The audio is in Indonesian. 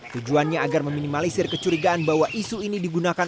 tujuannya agar meminimalisir kecurigaan bahwa isu ini digunakan